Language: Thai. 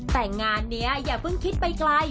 แต่งานนี้อย่าเพิ่งคิดไปไกล